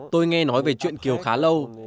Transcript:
tôi nghe nói về chuyện kiều khá lâu